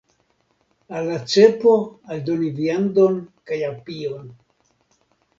Al la cepo aldoni viandon kaj apion.